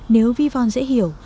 nếu vivon dễ hiểu